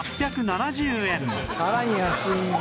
さらに安いんだ。